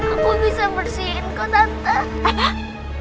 aku bisa bersihin kok tante